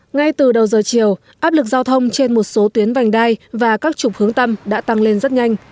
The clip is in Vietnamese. ngay từ đầu giờ chiều áp lực giao thông trên một số tuyến vành đai và các trục hướng tâm đã tăng lên rất nhanh